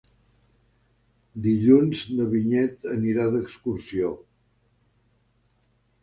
Dilluns na Vinyet anirà d'excursió.